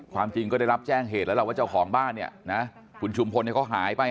ความจริงก็ได้รับแจ้งเหตุแล้วล่ะว่าเจ้าของบ้านเนี่ยนะคุณชุมพลเขาหายไป